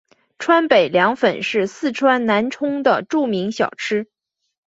川北凉粉是四川南充的著名小吃。